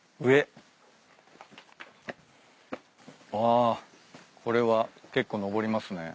あこれは結構上りますね。